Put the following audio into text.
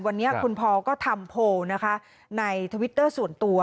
วันนี้คุณพอก็ทำโพลนะคะในทวิตเตอร์ส่วนตัว